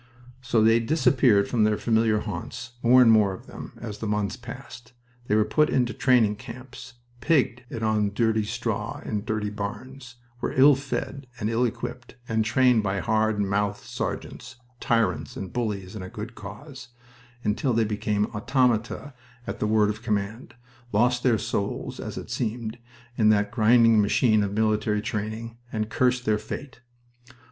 So they disappeared from their familiar haunts more and more of them as the months passed. They were put into training camps, "pigged" it on dirty straw in dirty barns, were ill fed and ill equipped, and trained by hard mouthed sergeants tyrants and bullies in a good cause until they became automata at the word of command, lost their souls, as it seemed, in that grinding machine of military training, and cursed their fate.